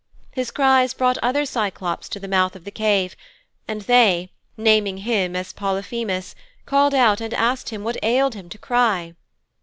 His cries brought other Cyclôpes to the mouth of the cave, and they, naming him as Polyphemus, called out and asked him what ailed him to cry.